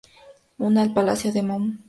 Une el Palacio Beaumont al Castillo de Pau.